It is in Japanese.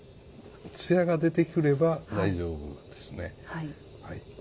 つやが出てくれば大丈夫ですね。